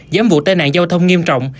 giám vụ tai nạn giao thông nghiêm trọng